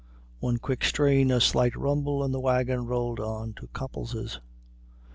One quick strain, a slight rumble, and the wagon rolled on to Copples's.